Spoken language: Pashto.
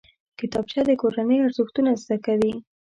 کتابچه د کورنۍ ارزښتونه زده کوي